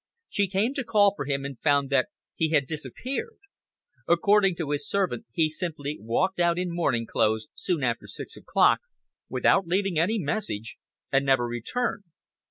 She came to call for him and found that he had disappeared. According to his servant, he simply walked out in morning clothes, soon after six o'clock, without leaving any message, and never returned.